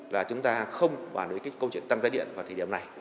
là chúng ta không bàn đối với câu chuyện tăng giá điện vào thời điểm này